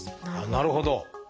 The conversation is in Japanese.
なるほど！